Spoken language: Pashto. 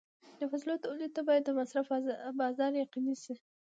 د فصلو تولید ته باید د مصرف بازار یقیني شي.